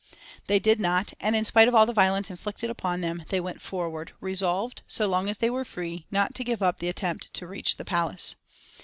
They did not, and in spite of all the violence inflicted upon them, they went forward, resolved, so long as they were free, not to give up the attempt to reach the Palace.